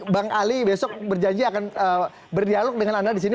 bang ali besok berjanji akan berdialog dengan anda disini